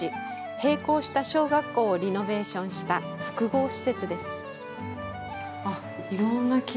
閉校した小学校をリノベーションした複合施設です。